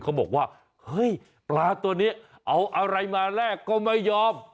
เขาบอกว่าเฮ้ยปลาตัวนี้เอาอะไรมาแลกก็ไม่ยอม